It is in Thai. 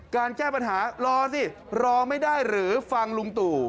แก้ปัญหารอสิรอไม่ได้หรือฟังลุงตู่